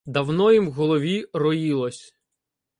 Давно їм в голові роїлось